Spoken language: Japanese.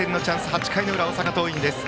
８回の裏、大阪桐蔭です。